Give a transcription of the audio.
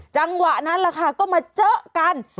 จังหวะนั้นแหละค่ะก็มาเจอกัน